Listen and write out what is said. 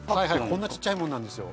こんなちっちゃいもんなんですよ